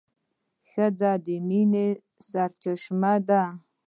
ښځه د مینې سرچینه ده.